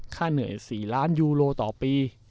เหนื่อย๔ล้านยูโรต่อปี